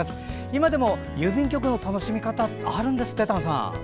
今でも、郵便局の楽しみ方あるんですって、丹さん。